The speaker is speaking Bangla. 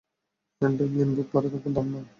ডেমিয়েন, বুক ভরে দম নাও!